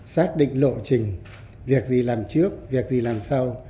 xác định lộ trình việc gì làm trước việc gì làm sau